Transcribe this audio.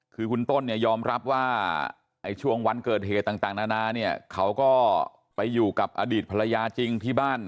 คือคุณต้นเนี่ยยอมรับว่าช่วงวันเกิดเหตุต่างนานาเนี่ยเขาก็ไปอยู่กับอดีตภรรยาจริงที่บ้าน